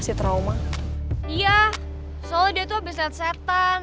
soalnya dia tuh abis lihat setan